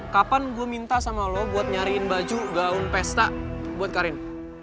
kapan gue minta sama lo buat nyariin baju gaun pesta buat karin